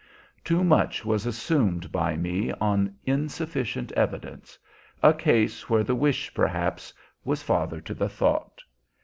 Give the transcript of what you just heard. Too much was assumed by me on insufficient evidence, a case where the wish, perhaps, was father to the thought.